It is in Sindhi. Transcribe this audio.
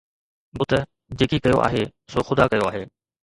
بت جيڪي ڪيو آهي سو خدا ڪيو آهي